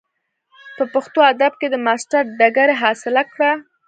پۀ پښتو ادب کښې د ماسټر ډګري حاصله کړه ۔